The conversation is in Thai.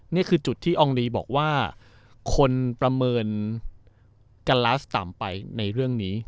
นี่คือจุดที่อองลีบอกว่าคนประเมินกัลลาสต่ำไปในเรื่องนี้